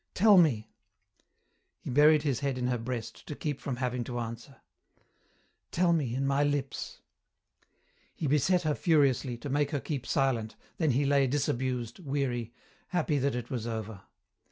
"Tell me." He buried his head in her breast to keep from having to answer. "Tell me in my lips." He beset her furiously, to make her keep silent, then he lay disabused, weary, happy that it was over.